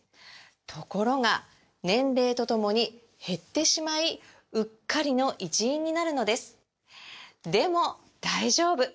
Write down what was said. ところが年齢とともに減ってしまいうっかりの一因になるのですでも大丈夫！